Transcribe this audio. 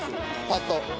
パッと。